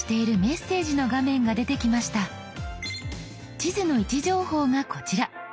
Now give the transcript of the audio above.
地図の位置情報がこちら。